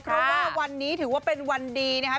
เพราะว่าวันนี้ถือว่าเป็นวันดีนะครับ